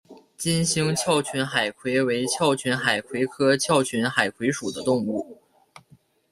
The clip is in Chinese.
金星鞘群海葵为鞘群海葵科鞘群海葵属的动物。